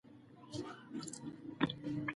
پلار مې راته نوی کتاب راوړ.